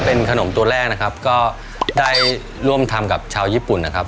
เป็นขนมตัวแรกนะครับก็ได้ร่วมทำกับชาวญี่ปุ่นนะครับ